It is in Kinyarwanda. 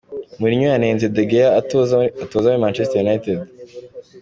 Mourinho yanenze De Gea atoza muri Manchester United.